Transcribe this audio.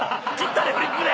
汚いフリップで！